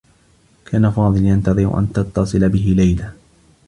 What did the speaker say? كان فاضل ينتظر أن تتّصل به ليلى.